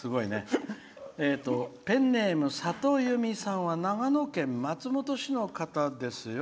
ペンネーム、さとゆみさんは長野県松本市の方ですよ。